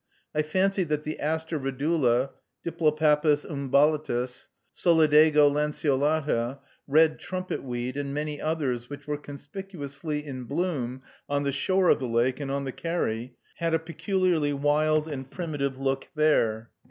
I fancied that the Aster Radula, Diplopappus umbellatus, Solidago lanceolata, red trumpet weed, and many others which were conspicuously in bloom on the shore of the lake and on the carry, had a peculiarly wild and primitive look there.